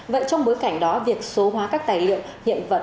vậy trong bối cảnh đó việc số hóa các tài liệu hiện vật